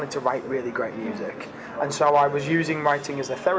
saya hanya ingin menulis musik yang sangat bagus